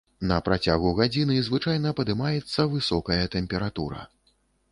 На працягу гадзіны звычайна падымаецца высокая тэмпература.